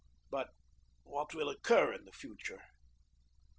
But what will occur in the future?